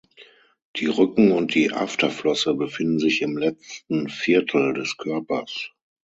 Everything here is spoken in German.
Die Rücken- und die Afterflosse befinden sich im letzten Viertel des Körpers.